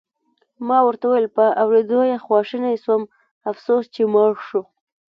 ما ورته وویل: په اورېدو یې خواشینی شوم، افسوس چې مړ شو.